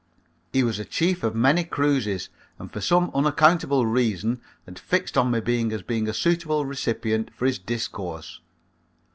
He was a chief of many cruises and for some unaccountable reason had fixed on me as being a suitable recipient for his discourse.